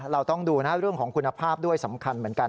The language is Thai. เราต้องดูนะเรื่องของคุณภาพด้วยสำคัญเหมือนกัน